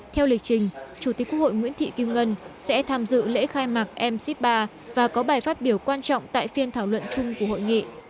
theo lịch trình chủ tịch quốc hội nguyễn thị kim ngân sẽ tham dự lễ khai mạc mc ba và có bài phát biểu quan trọng tại phiên thảo luận chung của hội nghị